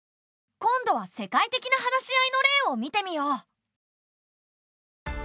今度は世界的な話し合いの例を見てみよう。